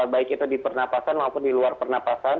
baik itu di pernafasan maupun di luar pernapasan